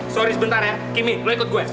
sorry sebentar ya kimmy lo ikut gue